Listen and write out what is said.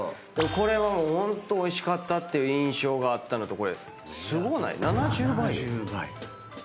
これはもうホントおいしかったっていう印象があったのと。